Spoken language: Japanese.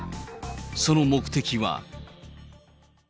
その目的は。